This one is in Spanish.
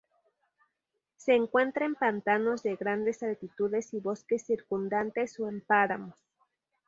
Se encuentra en pantanos de grandes altitudes y bosques circundantes o en páramos.